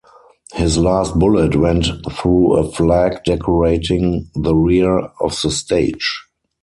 His last bullet went through a flag decorating the rear of the stage.